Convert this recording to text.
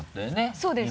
そうです。